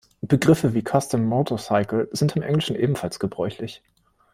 Begriffe wie „Custom Motorcycle“ sind im Englischen ebenfalls gebräuchlich.